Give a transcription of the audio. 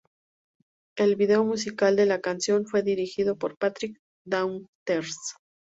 El video musical de la canción fue dirigido por Patrick Daughters.